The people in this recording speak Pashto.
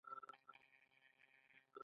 انسان تښتونه پر یوې ننګونې بدله شوه.